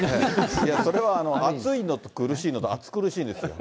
いや、それは暑いのと苦しいのと、暑苦しいんですよ。